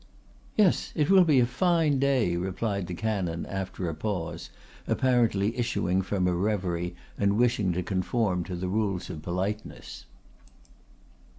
"Yes, it will be a fine day," replied the canon, after a pause, apparently issuing from a revery and wishing to conform to the rules of politeness.